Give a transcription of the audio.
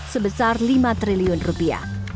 sebesar lima triliun rupiah